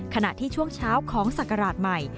ขณะที่ช่วงเช้าของศักราชใหม่